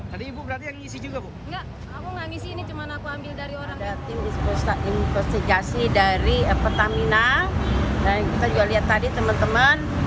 ada tim investigasi dari pertamina dan kita juga lihat tadi teman teman